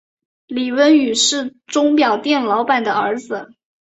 李弼雨是钟表店老板的儿子。